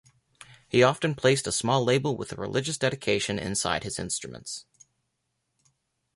He often placed a small label with a religious dedication inside his instruments.